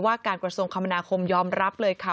การกระทรวงคมนาคมยอมรับเลยค่ะ